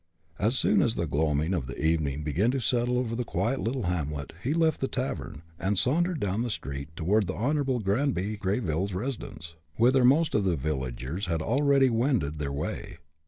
As soon as the gloaming of evening began to settle over the quiet little hamlet, he left the tavern, and sauntered down the street toward the Honorable Granby Greyville's residence, whither most of the villagers had already wended their way.